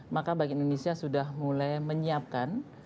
maka bank indonesia sudah mulai menyiapkan